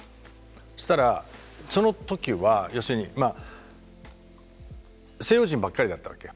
そうしたらその時は要するにまあ西洋人ばっかりだったわけよ。